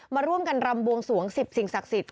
มาร่วมกันรำบวงสวง๑๐สิ่งศักดิ์สิทธิ